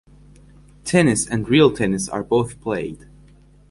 Tennis and real tennis are both played.